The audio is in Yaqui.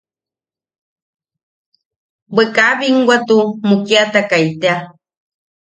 Bwe kaa binwatu mukiatakai tea.